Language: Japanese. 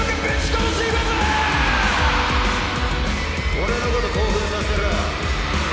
俺のこと興奮させろよ！